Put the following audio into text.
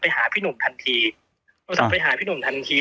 หาพี่หนุ่มทันทีโทรศัพท์ไปหาพี่หนุ่มทันที